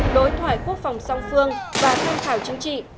đối thoại quốc phòng song phương và tham khảo chính trị